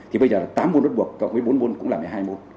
thì bây giờ là tám môn bắt buộc cộng với bốn môn cũng là một mươi hai môn